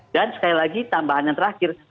dan sekali lagi tambahan yang terakhir